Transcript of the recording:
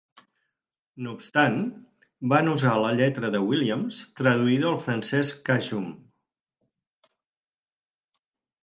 No obstant, van usar la lletra de Williams traduïda al francès cajun.